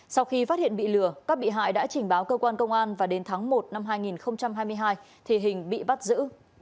sau khi phát hiện bị lừa các bị hại đã trình báo cơ quan công an và đến tháng một năm hai nghìn hai mươi hai thì hình bị bắt giữ